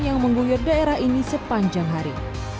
yang mengguyur daerah ini sepanjang hari